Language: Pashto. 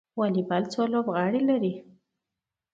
والیبال څو لوبغاړي لري؟